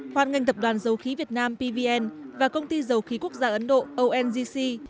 hoàn ngành tập đoàn dầu khí việt nam pvn và công ty dầu khí quốc gia ấn độ ongc